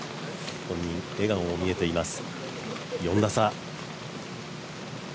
本人、笑顔も見えています、４打差。